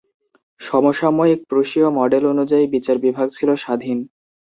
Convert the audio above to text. সমসাময়িক প্রুশীয় মডেল অনুযায়ী বিচার বিভাগ ছিল স্বাধীন।